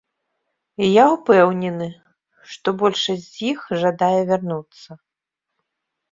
І я ўпэўнены, што большасць з іх жадае вярнуцца.